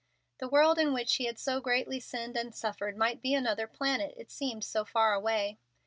The world in which he had so greatly sinned and suffered might be another planet, it seemed so far away.